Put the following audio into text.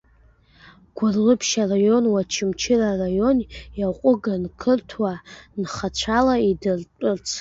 Гәылрыԥшь араион Уачамчыра араион иаҟәыган, қырҭуа нхацәала идырҭәырц.